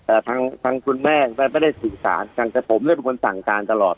ทางทางคุณแม่ไม่ได้สื่อสารกันแต่ผมเนี่ยเป็นคนสั่งการตลอด